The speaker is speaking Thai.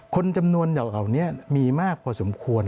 คนจำนวนเหล่านี้มีมากพอสมควร